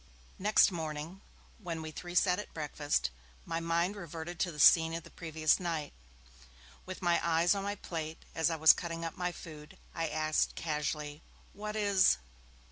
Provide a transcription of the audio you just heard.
Next morning, when we three sat at breakfast, my mind reverted to the scene of the previous night. With my eyes on my plate, as I was cutting up my food, I asked, casually, 'What is